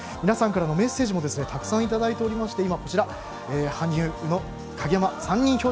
皆さんからのメッセージもたくさんいただいております。